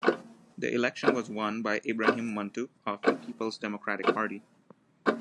The election was won by Ibrahim Mantu of the Peoples Democratic Party.